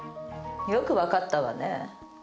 よく分かったわね。